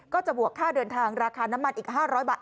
จะบวกค่าเดินทางราคาน้ำมันอีก๕๐๐บาท